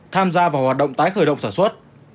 tham gia vào hoạt động tái khởi động sản xuất